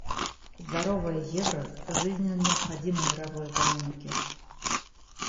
Здоровое евро жизненно необходимо мировой экономике.